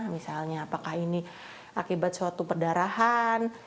misalnya apakah ini akibat suatu perdarahan